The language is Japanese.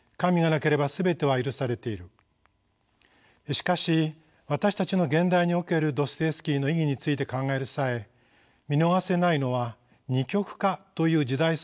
しかし私たちの現代におけるドストエフスキーの意義について考える際見逃せないのは二極化という時代相の類似です。